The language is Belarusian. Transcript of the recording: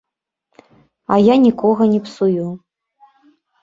А я нікога не псую.